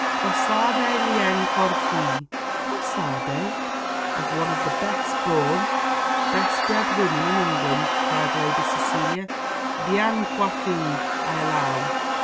Poissarde bien coiffée." "Poissarde! of one of the best born, best bred women in England!" cried Lady Cecilia; "bien coiffée, I allow."